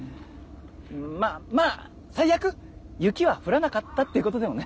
ままあ最悪雪は降らなかったっていうことでもね。